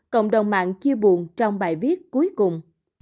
cộng đồng mạng chia buồn trong bài viết cuối cùng